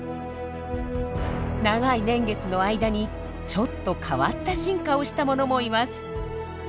長い年月の間にちょっと変わった進化をしたものもいます。